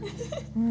うん。